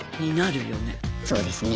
そうですね。